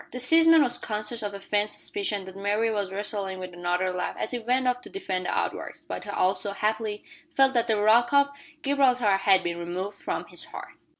The seaman was conscious of a faint suspicion that Mary was wrestling with another laugh as he went off to defend the outworks, but he also, happily, felt that the Rock of Gibraltar had been removed from his heart!